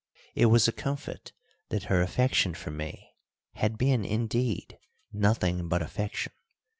It was a comfort that her affection for me had been, indeed, nothing but affection.